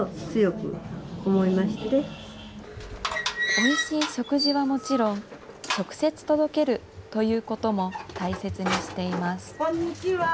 おいしい食事はもちろん、直接届けるということも大切にしています。